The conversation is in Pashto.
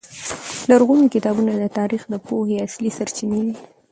لرغوني کتابونه د تاریخ د پوهې اصلي سرچینې دي.